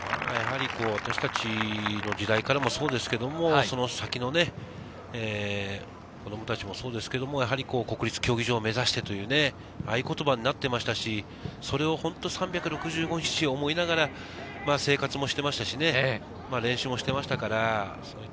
私達の時代からもそうですけれども、その先の子供たちもそうですけれど国立競技場を目指してという合言葉になっていましたし、それを３６５日思いながら生活もしていましたし、練習もしていましたから。